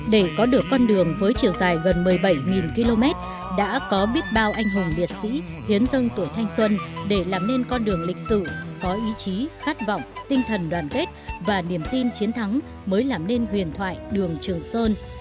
để có được con đường với chiều dài gần một mươi bảy km đã có biết bao anh hùng liệt sĩ hiến dâng tuổi thanh xuân để làm nên con đường lịch sử có ý chí khát vọng tinh thần đoàn kết và niềm tin chiến thắng mới làm nên huyền thoại đường trường sơn